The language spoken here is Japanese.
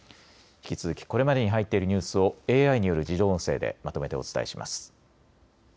引き続きこれまでに入っているニュースをＡＩによる自動音声でまとめてお伝えします。